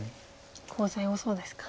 コウ材多そうですか。